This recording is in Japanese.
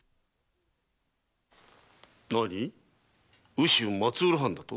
羽州松浦藩だと？